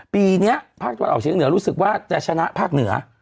ปีนี้ภาคตะวันออกเชียงเหนือรู้สึกว่าจะชนะภาคเหนือ